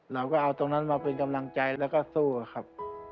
เราก็เอาตรงนั้นมาเป็นกำลังใจแล้วก็สู้ครับ